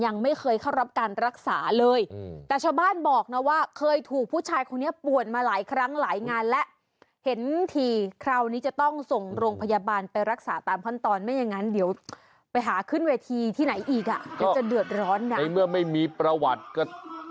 แน่นอนอยู่แล้วค่ะวันแห่งความสุข